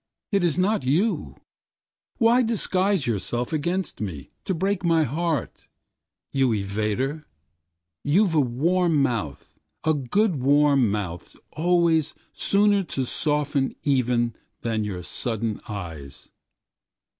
It is not you; why disguise yourselfAgainst me, to break my heart, You evader? You've a warm mouth,A good warm mouth always sooner to softenEven than your sudden eyes.